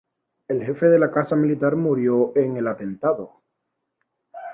El jefe de la casa militar murió en el atentado.